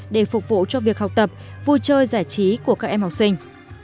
để phục vụ cho việc học tập vui chơi giải trí của các em học sinh